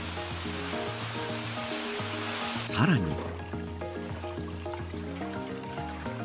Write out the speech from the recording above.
さらには。